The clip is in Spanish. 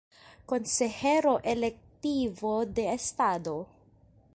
Consejero electivo de Estado.